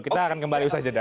kita akan kembali usai jeda